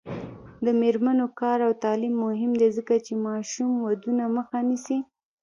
د میرمنو کار او تعلیم مهم دی ځکه چې ماشوم ودونو مخه نیسي.